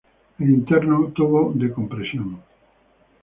El interno, tubo de compresión.